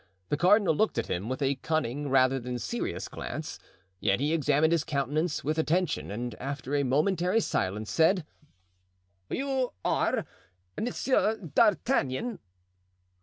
The cardinal looked at him with a cunning rather than serious glance, yet he examined his countenance with attention and after a momentary silence said: "You are Monsieur d'Artagnan?"